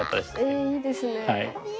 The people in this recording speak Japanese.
ええいいですね。